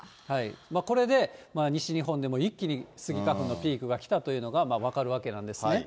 これで西日本でも一気にスギ花粉のピークが来たというのが分かるわけなんですね。